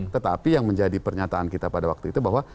tetapi yang menjadi pernyataan kita pada waktu itu bahwa